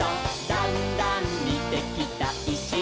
「だんだんにてきたいしがきに」